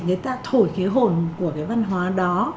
người ta thổi cái hồn của cái văn hóa đó